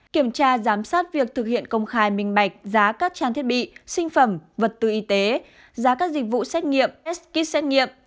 kiểm tra giám sát việc thực hiện công khai minh bạch giá các trang thiết bị sinh phẩm vật tư y tế giá các dịch vụ xét nghiệm estit xét nghiệm